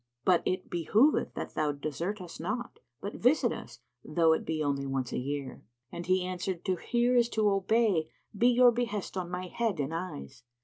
But it behoveth that thou desert us not, but visit us, though it be only once a year." And he answered, "To hear is to obey: be your behest on my head and eyes!"